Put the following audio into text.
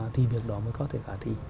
thì việc đó mới có thể khả thi